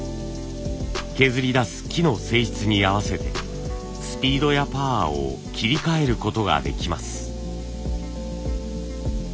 削り出す木の性質に合わせてスピードやパワーを切り替えることができます。